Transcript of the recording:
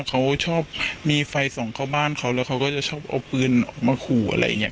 เขาชอบมีไฟส่องเข้าบ้านเขาแล้วเขาก็จะชอบเอาปืนออกมาขู่อะไรอย่างนี้